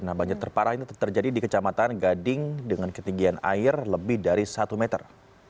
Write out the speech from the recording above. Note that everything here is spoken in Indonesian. nah banjir terparah ini terjadi di kecamatan gading dengan ketinggian air lebih dari satu meter